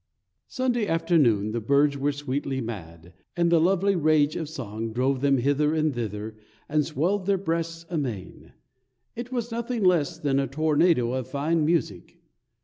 Sunday afternoon the birds were sweetly mad, and the lovely rage of song drove them hither and thither, and swelled their breasts amain. It was nothing less than a tornado of fine music.